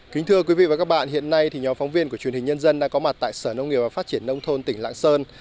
kính thưa quý vị và các bạn hiện nay thì nhóm phóng viên của truyền hình nhân dân đã có mặt tại sở nông nghiệp và phát triển nông thôn tỉnh lạng sơn